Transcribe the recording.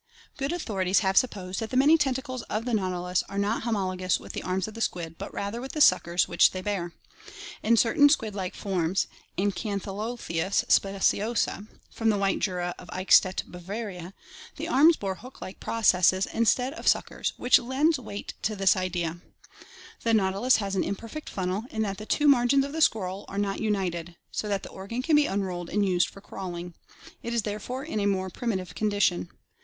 Good authorities have supposed that the many tentacles of the nautilus are not 426 ORGANIC EVOLUTION homologous with the arms of the squid, but rather with the suckers which they bear. In certain squid like forms (Acanthoteutkis speciosa) from the White Jura of Eichstadt, Bavaria, the arms bore hook like processes instead of suckers, which lends weight to this idea. The nautilus has an imperfect funnel in that the two margins of the scroll are not united, so that the organ can be unrolled and used for crawling. It is therefore in a more primitive condition.